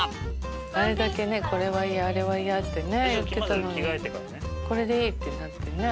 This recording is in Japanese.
あれだけねこれは嫌あれは嫌ってね言ってたのにこれでいいってなってね。